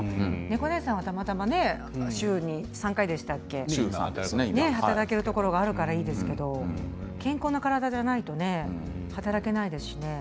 ねこねえさんは、たまたま週３回働けるところがあったからいいですけど健康な体じゃないと働けないですしね。